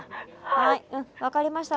はいうん分かりました。